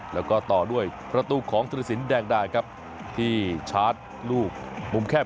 แล้วก็ต่อด้วยพระัตูของธรสินแดงดาครับ